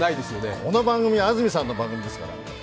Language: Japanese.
この番組は安住さんの番組ですから。